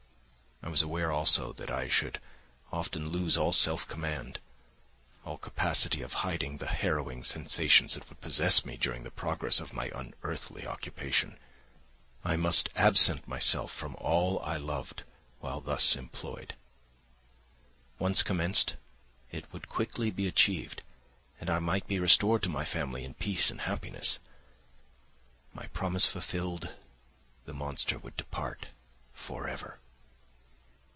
I was aware also that I should often lose all self command, all capacity of hiding the harrowing sensations that would possess me during the progress of my unearthly occupation. I must absent myself from all I loved while thus employed. Once commenced, it would quickly be achieved, and I might be restored to my family in peace and happiness. My promise fulfilled, the monster would depart for ever.